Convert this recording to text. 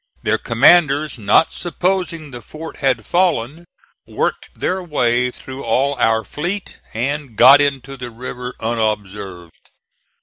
Their commanders, not supposing the fort had fallen, worked their way through all our fleet and got into the river unobserved.